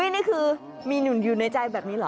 นี่คือมีหนุ่นอยู่ในใจแบบนี้เหรอ